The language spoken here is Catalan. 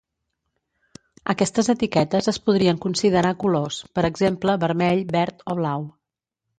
Aquestes etiquetes es podrien considerar colors, per exemple, vermell, verd o blau.